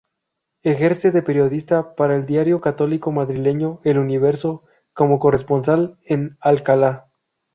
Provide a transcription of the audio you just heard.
Ejerce de periodista para el diario católico madrileño "El Universo", como corresponsal en Alcalá.